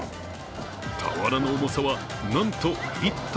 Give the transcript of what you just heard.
俵の重さはなんと１ｔ。